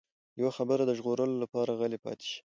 يوه خبره د ژغورلو لپاره غلی پاتې شي.